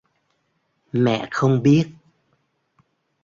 Mẹ không biết